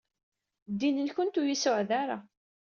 Ddin-nkent ur iyi-suɛed ara.